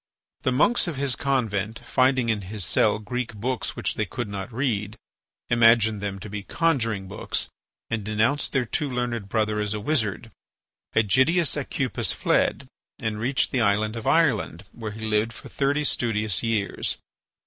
The monks of his convent, finding in his cell Greek books which they could not read, imagined them to be conjuring books, and denounced their too learned brother as a wizard. Ægidius Aucupis fled, and reached the island of Ireland, where he lived for thirty studious years.